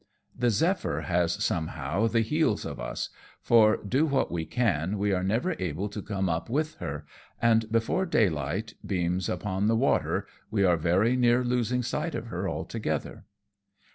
The Zephyr has somehow the heels of us, for, do what we can, we are never able to come up with her, and before daylight beams upon the waters we are very near losing sight of her altogether.